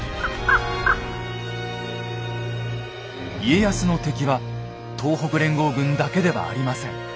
家康の敵は東北連合軍だけではありません。